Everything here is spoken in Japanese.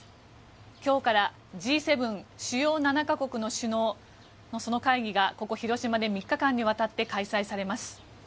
今日からＧ７・主要７か国首脳の会議がここ、広島で３日間にわたって開催されます。